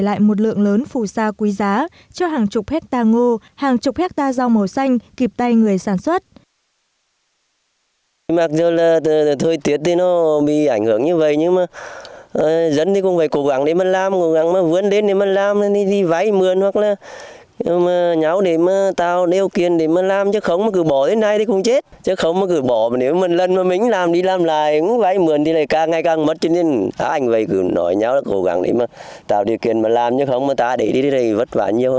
cũng đã để lại một lượng lớn phù sa quý giá cho hàng chục hectare ngô hàng chục hectare rau màu xanh kịp tay người sản xuất